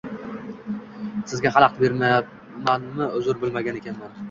Sizga xalaqit beribmanmi? Uzr, bilmagan ekanman.